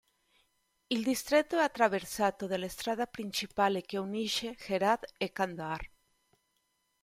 Il distretto è attraversato dalla strada principale che unisce Herat e Kandahar.